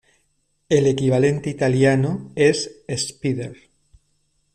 El equivalente italiano es "spider".